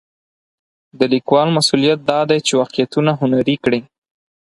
د لیکوال مسوولیت دا دی چې واقعیتونه هنري کړي.